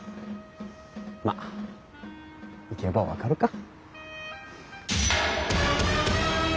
まっ行けば分かるか！